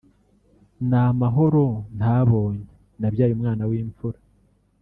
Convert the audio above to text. ni mahoro ntabonye nabyaye umwana w’imfura